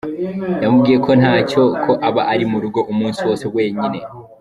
Yamubwiye ko ntacyo, ko aba ari mu rugo umunsi wose wenyine.